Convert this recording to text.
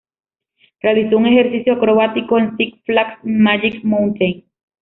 Realizó un ejercicio acrobático en Six Flags Magic Mountain.